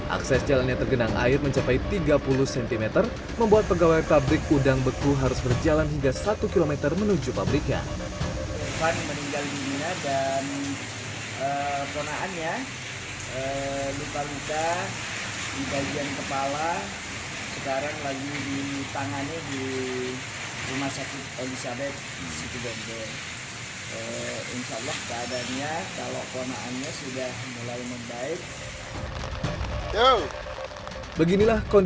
akses jalannya tergenang air mencapai tiga puluh cm membuat pegawai pabrik udang beku harus berjalan hingga satu km menuju pabrikan